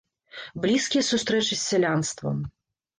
Блізкія сустрэчы з сялянствам.